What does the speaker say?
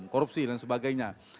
korupsi dan sebagainya